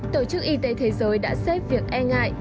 tổ chức y tế thế giới đã xếp việc e ngại